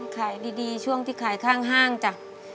ขายดีช่วงที่ขายข้างห้างจ้ะ